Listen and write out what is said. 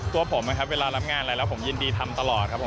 ตัวผมเวลารับงานแล้วผมยินดีทำตลอดครับ